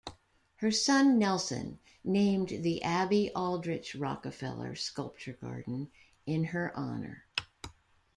Her son Nelson named the "Abby Aldrich Rockefeller Sculpture Garden" in her honor.